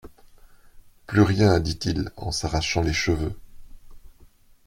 Plus rien ! dit-il en s'arrachant les cheveux.